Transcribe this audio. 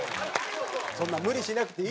そんな無理しなくていいって事。